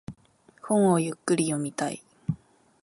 本をゆっくり読みたい。